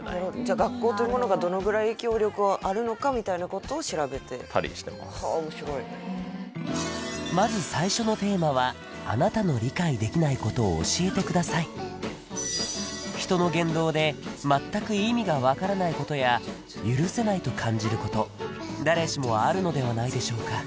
学校というものがどのぐらい影響力があるのかみたいなことを調べてたりしてますはあ面白いまず最初のテーマはあなたの人の言動で全く意味が分からないことや許せないと感じること誰しもあるのではないでしょうか？